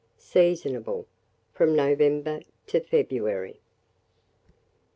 Seasonable from November to February.